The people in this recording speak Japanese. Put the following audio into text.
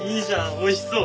おいしそう。